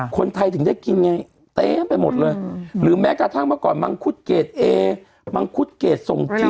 คนไทยถึงได้กินไงเต็มไปหมดเลยหรือแม้กระทั่งเมื่อก่อนมังคุดเกรดเอมังคุดเกรดทรงจีน